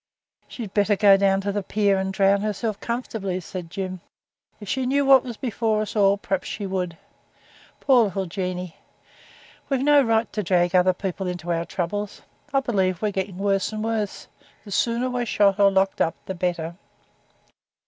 'She'd better go down to the pier and drown herself comfortably,' said Jim. 'If she knew what was before us all, perhaps she would. Poor little Jeanie! We'd no right to drag other people into our troubles. I believe we're getting worse and worse. The sooner we're shot or locked up the better.'